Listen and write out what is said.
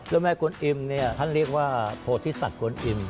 เจ้าแม่กลุ่นอิมเนี่ยท่านเรียกว่าโพธิสัตว์กลุ่นอิม